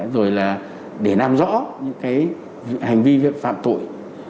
rồi là để làm rõ những cái hành vi phạm tội